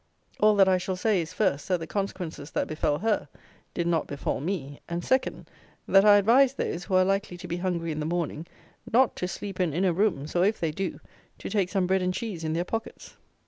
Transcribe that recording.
All that I shall say is, first, that the consequences that befel her did not befal me, and, second, that I advise those, who are likely to be hungry in the morning, not to sleep in inner rooms; or, if they do, to take some bread and cheese in their pockets.